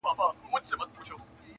سل هنره ور بخښلي پاك سبحان دي٫